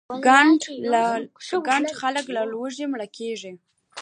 ګڼ خلک له لوږې مړه شول.